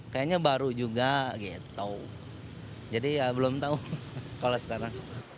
kayaknya baru juga gitu jadi ya belum tahu kalau sekarang